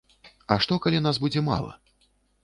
А што калі нас будзе мала?